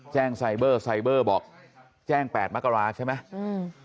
แจ้งไซเบอร์ไซเบอร์บอกแจ้งแปดมากราใช่ไหม